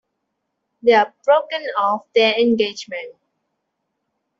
They've broken off their engagement.